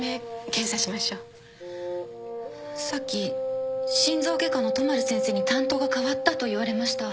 さっき心臓外科の都丸先生に担当がかわったと言われました。